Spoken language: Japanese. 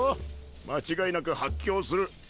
間違いなく発狂する。